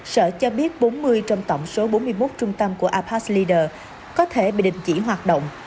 sở cho biết bốn mươi trong tổng số bốn mươi một trung tâm của apas leaders có thể bị định chỉ hoạt động